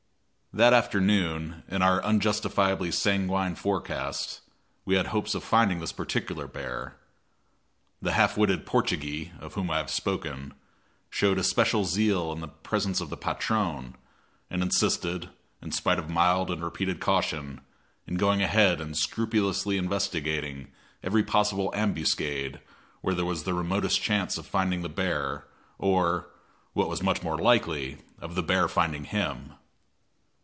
That afternoon, in our unjustifiably sanguine forecast, we had hopes of finding this particular bear. The half witted "Portugee," of whom I have spoken, showed especial zeal in the presence of the patron, and insisted, in spite of mild and repeated caution, in going ahead and scrupulously investigating every possible ambuscade where there was the remotest chance of finding the bear, or, what was much more likely, of the bear finding him.